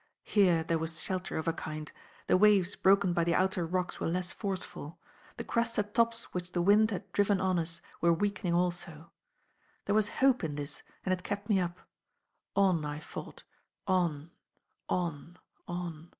Here there was shelter of a kind; the waves broken by the outer rocks were less forceful. The crested tops which the wind had driven on us were weakening also. There was hope in this and it kept me up. On I fought on on on.